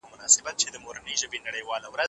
د صفوي دولت فساد د هغوی د زوال سبب سو.